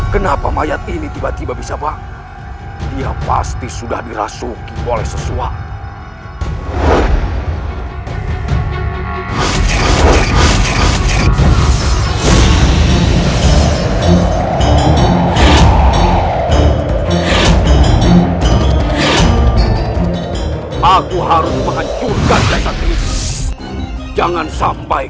karena kau dirasuki oleh sesuatu yang jahat